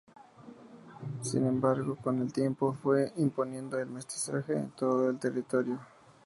Sin embargo, con el tiempo se fue imponiendo el mestizaje en todo el territorio.